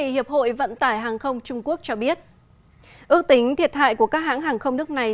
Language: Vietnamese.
hiệp hội vận tải hàng không trung quốc cho biết ước tính thiệt hại của các hãng hàng không nước này